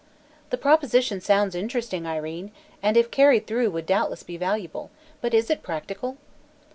"The proposition sounds interesting, Irene, and if carried through would doubtless be valuable, but is it practical?"